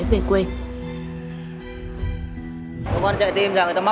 sao hai mẹ con sao